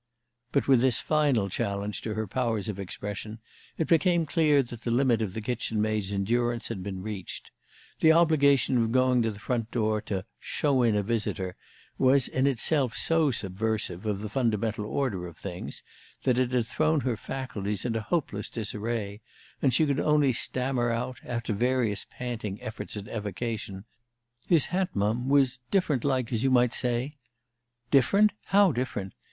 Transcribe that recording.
But with this final challenge to her powers of expression it became clear that the limit of the kitchen maid's endurance had been reached. The obligation of going to the front door to "show in" a visitor was in itself so subversive of the fundamental order of things that it had thrown her faculties into hopeless disarray, and she could only stammer out, after various panting efforts at evocation, "His hat, mum, was different like, as you might say " "Different? How different?"